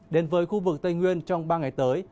đến với khu vực tây nguyên trong ba ngày tới